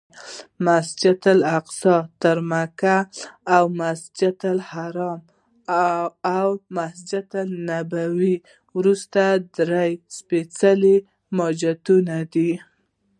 مسجدالاقصی تر مکې او مسجدالحرام او مسجدنبوي وروسته درېیم سپېڅلی جومات دی.